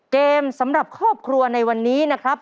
เกมสำหรับครอบครัวในวันนี้นะครับ